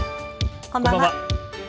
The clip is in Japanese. こんばんは。